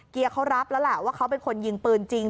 เกียร์เขารับแล้วล่ะว่าเขาเป็นคนยิงปืนจริง